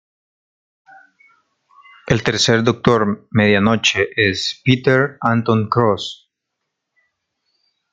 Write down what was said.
El tercer Doctor Medianoche es Pieter Anton Cross.